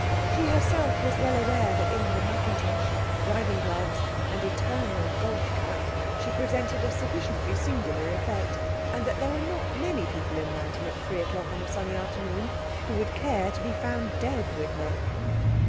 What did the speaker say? She herself was well aware that in her mackintosh, driving gloves, and eternal golf cap she presented a sufficiently singular effect, and that there were not many people in London at three o'clock on a sunny afternoon who would care to be found dead with her.